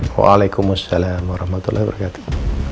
waalaikumsalam warahmatullahi wabarakatuh